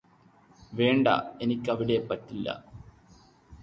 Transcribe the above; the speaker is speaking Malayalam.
വേണ്ട എനിക്കവിടെ പറ്റില്ല